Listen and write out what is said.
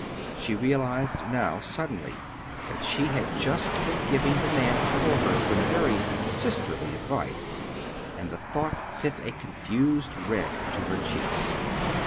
She realized now, suddenly, that she had just been giving the man before her some very "sisterly advice," and the thought sent a confused red to her cheeks.